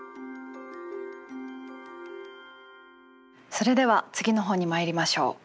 それでは次の本にまいりましょう。